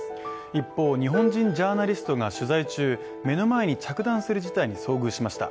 一方、日本人ジャーナリストが取材中、目の前に着弾する事態に遭遇しました。